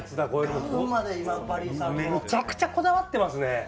めちゃくちゃこだわってますね。